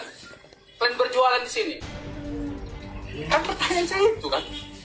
kan pertanyaan saya itu kan